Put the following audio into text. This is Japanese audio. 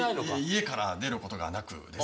家から出ることがなく。